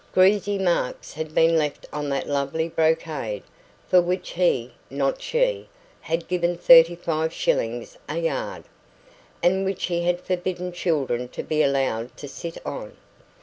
Greasy marks had been left on that lovely brocade, for which he (not she) had given thirty five shillings a yard, and which he had forbidden children to be allowed to sit on.